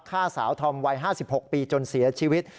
ฆ่าสาวธรรมวัยห้าสิบหกปีจนเสียชีวิต